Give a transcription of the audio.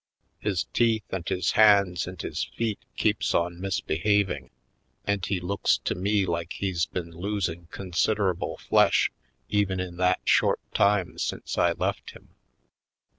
His teeth and his hands and his feet keeps on misbehaving, and he looks to me like he's been losing considerable flesh even in that short time since I left him.